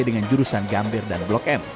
dengan jurusan gambir dan blok m